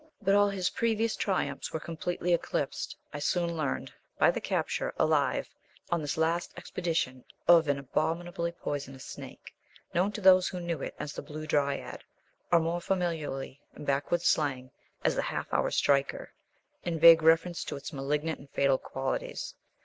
But all his previous triumphs were completely eclipsed, I soon learned, by the capture, alive, on this last expedition, of an abominably poisonous snake, known to those who knew it as the Blue Dryad, or more familiarly in backwoods slang, as the Half hour Striker, in vague reference to its malignant and fatal qualities.